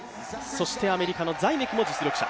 そしてアメリカのザイメクも実力者。